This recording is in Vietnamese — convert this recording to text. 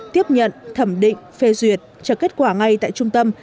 tiếp nhận thẩm định phê duyệt trả kết quả ngay tại trung tâm